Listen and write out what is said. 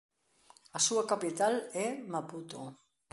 A súa capital é Maputo.